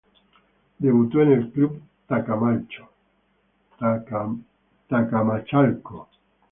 Debutó en el Club Tecamachalco.